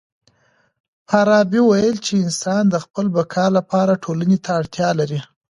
فارابي وويل چي انسان د خپل بقا لپاره ټولني ته اړتيا لري.